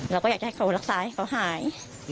เราก็อยากจะให้เขารักษาให้เขาหาย